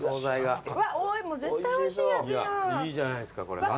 いいじゃないっすかこれ。